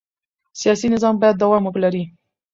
سیاسي نظام باید دوام ولري